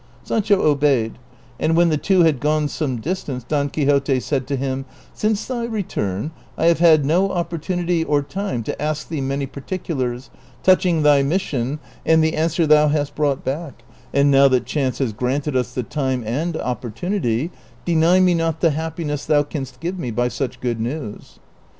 Sancho obeyed, and when the two had gone some distance Don Quixote said to him, '' Since thy return I have had no opportunity or time to ask thee many particulars touching thy mission and the answer thou hast brought back, and now that chance has granted us the time and opportunity, deny me not the happi ness thou canst give me by such good news."